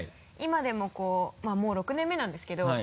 今でももう６年目なんですけど。